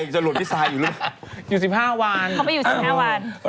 จะหลวนพี่ซายอยู่หรือเปล่า